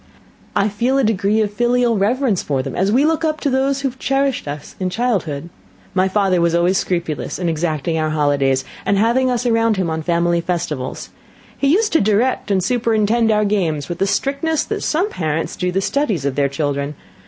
I feel a degree of filial reverence for them, as we look up to those who have cherished us in childhood. My father was always scrupulous in exacting our holidays, and having us around him on family festivals. He used to direct and superintend our games with the strictness that some parents do the studies of their children.